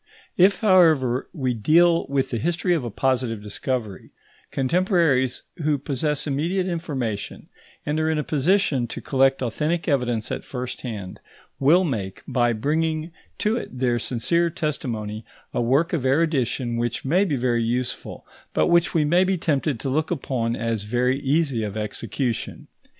If, however, we deal with the history of a positive discovery, contemporaries who possess immediate information, and are in a position to collect authentic evidence at first hand, will make, by bringing to it their sincere testimony, a work of erudition which may be very useful, but which we may be tempted to look upon as very easy of execution.